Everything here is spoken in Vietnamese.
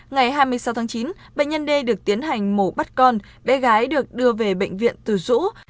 ngày hai mươi sáu tháng chín bệnh nhân d được tiến hành mổ bắt con bé gái được đưa về bệnh viện từ dũ